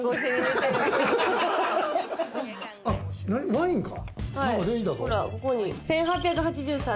ワインか。